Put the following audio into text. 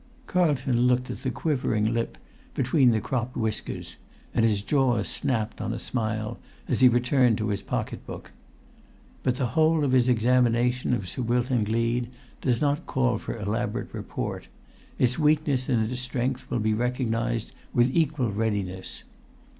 Carlton looked at the quivering lip between the cropped whiskers, and his jaws snapped on a smile as he returned to his pocket book. But the whole of his examination of Sir Wilton Gleed does not call for elaborate report: its weakness and its strength will be recognised with equal readiness.